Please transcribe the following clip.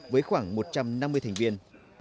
với khoảng một trăm năm mươi thành viên